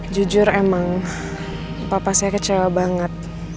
jujur emang papa saya kecewa banget